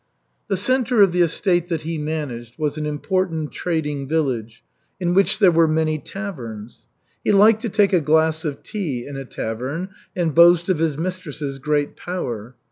The centre of the estate that he managed was an important trading village in which there were many taverns. He liked to take a glass of tea in a tavern and boast of his mistress's great power.